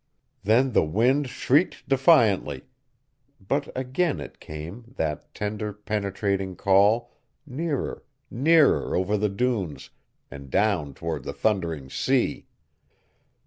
Then the wind shrieked defiantly. But again it came, that tender, penetrating call, nearer, nearer, over the dunes, and down toward the thundering sea!